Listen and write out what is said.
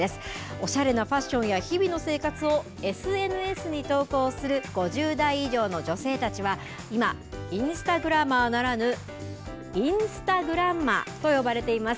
おしゃれなファッションや日々の生活をＳＮＳに投稿する５０代以上の女性たちは今、インスタグラマーならぬインスタグランマと呼ばれています。